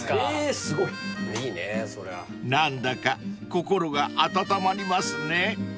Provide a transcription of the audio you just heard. ［何だか心が温まりますね］